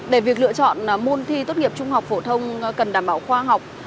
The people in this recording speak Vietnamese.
để việc lựa chọn môn thi tốt nghiệp trung học phổ thông cần đảm bảo khoa học